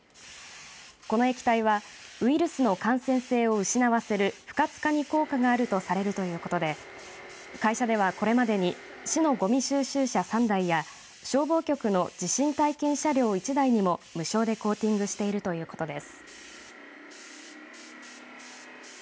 この液体はウイルスの感染性を失わせる不活化に効果があるとされるということで会社ではこれまでに市のごみ収集車３台や消防局の地震体験車両１台にも無償でコーティングしているということです。